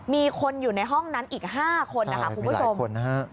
มีคนอยู่ในห้องนั้นอีก๕คนคุณผู้สมใช่มีหลายคน